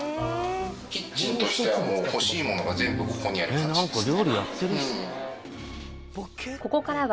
キッチンとしてはもう欲しいものが全部ここにある感じですね。